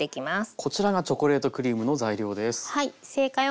こちらがチョコレートクリームの材料です。